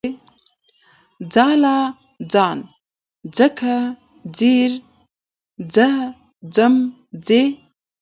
ځاله، ځان، ځکه، ځير، ځه، ځم، ځي